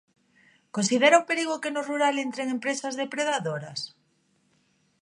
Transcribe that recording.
Considera un perigo que no rural entren empresas depredadoras?